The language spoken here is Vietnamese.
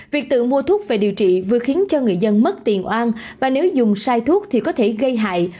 việc tự mua thuốc về điều trị vừa khiến cho người dân mất tiền oan và nếu dùng sai thuốc thì có thể gây hại